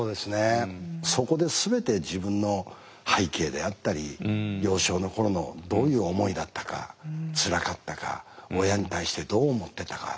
そこで全て自分の背景であったり幼少の頃のどういう思いだったかつらかったか親に対してどう思ってたか。